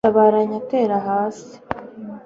tabaranya tera hasi